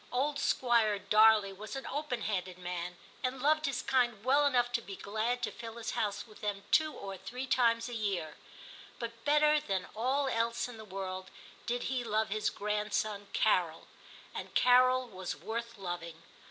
Old Squire Darley was an open handed man, and loved his kind well enough to be glad to fill his house with them two or three times a year ; but better than all else in the world did he love his grandson Carol, and Carol was worth loving.